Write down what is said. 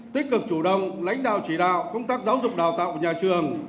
tích cực chủ động lãnh đạo chỉ đạo công tác giáo dục đào tạo của nhà trường